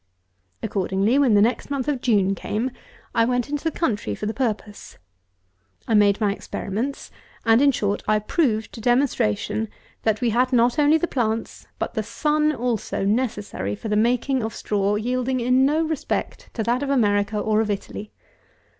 Accordingly, when the next month of June came, I went into the country for the purpose. I made my experiments, and, in short, I proved to demonstration, that we had not only the plants, but the sun also, necessary for the making of straw, yielding in no respect to that of America or of Italy.